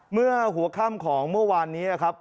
เมื่อหัวค่ำของเมื่อวานนี้นะครับ